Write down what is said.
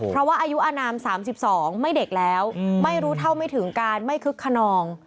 เพราะว่าอายุอนาม๓๒ไม่เด็กแล้วไม่รู้เท่าไม่ถึงการไม่คึกขนอง